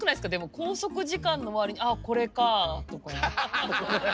拘束時間の割にああこれかとか。